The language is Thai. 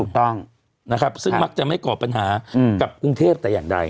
ถูกต้องนะครับซึ่งมักจะไม่ก่อปัญหากับกรุงเทพแต่อย่างใด